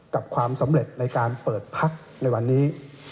กับความสำเร็จในการเปิดพักในวันนี้